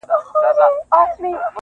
کږې خولې په سوک سمیږي د اولس د باتورانو-